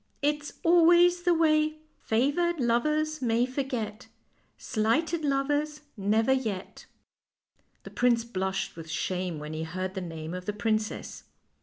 It's always the way "' Favored lovers may forget, Slighted lovers never yet. '" The prince blushed with shame when he heard the name of the princess.